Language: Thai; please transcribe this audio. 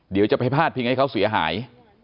เดี๋ยวจะไปพาดพิงให้เขาเสียหาย